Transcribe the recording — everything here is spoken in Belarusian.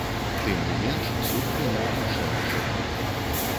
Тым не менш, суд прыняў іншае рашэнне.